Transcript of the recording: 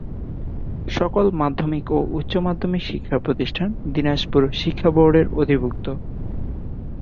সকল মাধ্যমিক ও উচ্চ মাধ্যমিক শিক্ষা প্রতিষ্ঠান দিনাজপুর শিক্ষা বোর্ডের অধিভুক্ত।